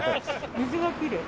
水がきれい。